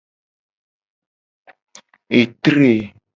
Etre.